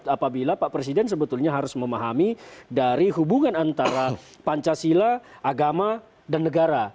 apabila pak presiden sebetulnya harus memahami dari hubungan antara pancasila agama dan negara